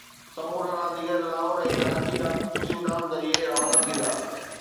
سمورا رانديگر لاهور ۽ ڪراچي کان خصوصي اڏام ذريعي روانا ٿيندا